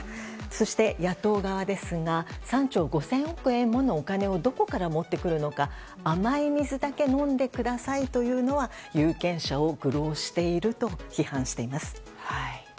そして、野党側ですが３兆５０００億円ものお金をどこから持ってくるのか甘い水だけ飲んでくださいというのは有権者を愚弄していると批判しています。